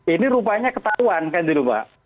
ini rupanya ketahuan kan gitu mbak